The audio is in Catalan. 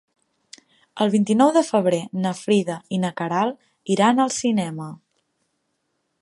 El vint-i-nou de febrer na Frida i na Queralt iran al cinema.